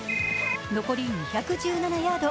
残り２１７ヤード。